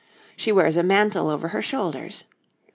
She wears a mantle over her shoulders.